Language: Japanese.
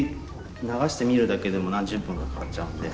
流してみるだけでも何十分かかかっちゃうんで。